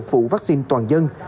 phụ vaccine toàn dân